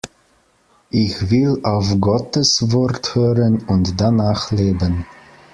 Ich will auf Gottes Wort hören und danach leben.